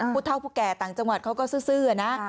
ผู้เท่าผู้แก่ต่างจังหวัดเขาก็ซื้อนะ